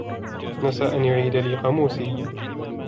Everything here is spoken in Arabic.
نسى أن يعيد لي قاموسي.